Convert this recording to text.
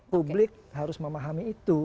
publik harus memahami itu